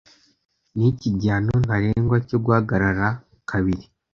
niki gihano ntarengwa cyo guhagarara kabiri